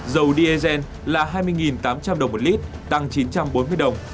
dầu d agen là hai mươi tám trăm linh đồng một lít tăng chín trăm bốn mươi đồng